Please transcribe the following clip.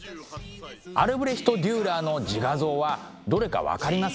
アルブレヒト・デューラーの自画像はどれか分かりますか？